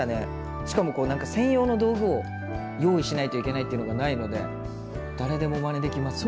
しかも何か専用の道具を用意しないといけないっていうのがないので誰でもまねできますね。